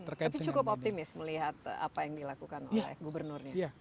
tapi cukup optimis melihat apa yang dilakukan oleh gubernurnya